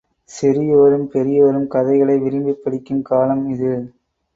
சிறியோரும், பெரியோரும் கதைகளை விரும்பி ப்டிக்கும் காலம் இது.